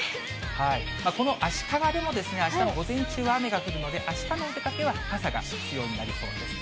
この足利でも、午前中あしたの午前中は雨が降るので、あしたのお出かけは傘が必要になりそうです。